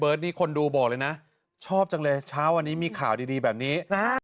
นี่คนดูบอกเลยนะชอบจังเลยเช้าวันนี้มีข่าวดีแบบนี้